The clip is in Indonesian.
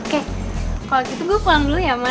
oke kalo gitu gue pulang dulu ya man